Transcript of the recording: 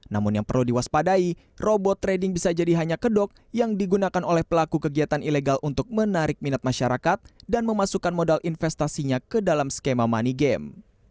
namun yang perlu diwaspadai robot trading bisa jadi hanya kedok yang digunakan oleh pelaku kegiatan ilegal untuk menarik minat masyarakat dan memasukkan modal investasinya ke dalam skema money game